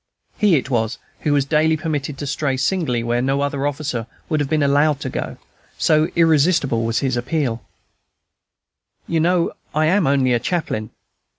He it was who was daily permitted to stray singly where no other officer would have been allowed to go, so irresistible was his appeal, "You know I am only a chaplain."